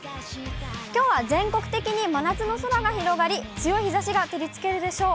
きょうは全国的に真夏の空が広がり、強い日ざしが照りつけるでしょう。